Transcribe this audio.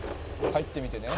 「入ってみてね」